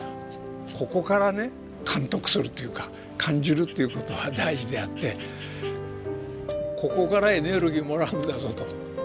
ここからね感得するというか感じるということが大事であってここからエネルギーもらうんだぞと。